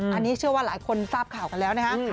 อันนี้เชื่อว่าหลายคนทราบข่าวกันแล้วนะฮะ